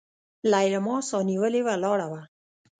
ليلما سانيولې ولاړه وه.